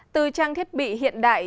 từ trang thiết bị hiện đại